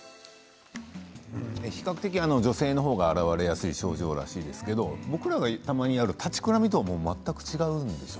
比較的女性の方が現れやすい症状らしいですけど僕らがたまにある立ちくらみとはもう全く違うんでしょ？